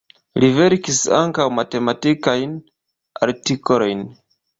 Li verkis ankaŭ matematikajn artikolojn.